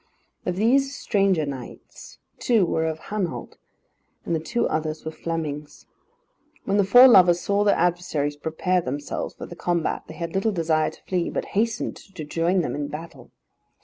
Of these stranger knights two were of Hainault, and the two others were Flemings. When the four lovers saw their adversaries prepare themselves for the combat, they had little desire to flee, but hastened to join them in battle.